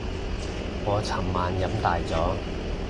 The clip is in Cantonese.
我尋晚飲大咗